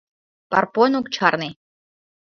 — Парпон ок чарне.